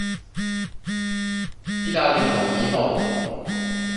義大利統一後